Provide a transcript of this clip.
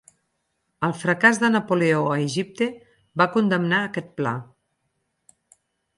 El fracàs de Napoleó a Egipte va condemnar aquest pla.